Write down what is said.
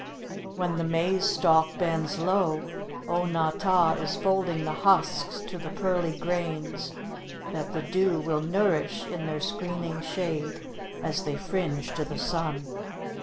When the maize stalk bends low O na tah is folding the husks to the pearly grains that the dew will nourish in their screening shade, as they fringe to the sun.